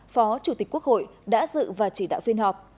phó chủ tịch quốc hội đã dự và chỉ đạo phiên họp